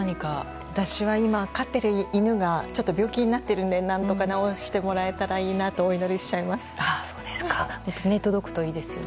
私は今、飼っている犬が病気になっているので何とか治してもらえたらいいなと届くといいですね。